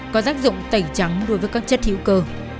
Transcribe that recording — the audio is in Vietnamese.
có giác dụng tẩy trắng đối với các chất hiệu cơ